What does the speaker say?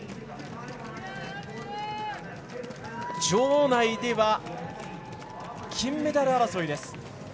場内では金メダル争いです。